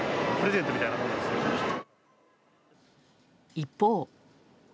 一方。